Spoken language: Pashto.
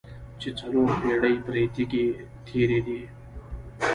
چې څلور پېړۍ پرې تېرې دي.